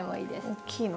大きいの。